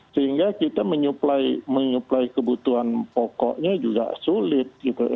sehingga kita menyuplai kebutuhan pokoknya juga sulit